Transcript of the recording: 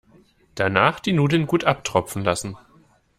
Danach die Nudeln gut abtropfen lassen.